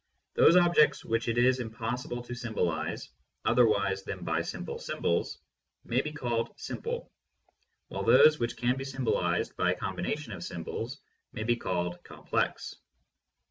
Those objects which it is impossible to symbolize otherwise than by simple symbols may be called "simple," while those which can be symbolized by a combination of symbols may be called "complex."